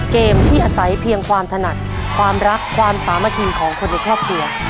เกมที่อาศัยเพียงความถนัดความรักความสามัคคีของคนในครอบครัว